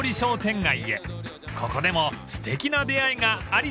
［ここでもすてきな出会いがありそうです］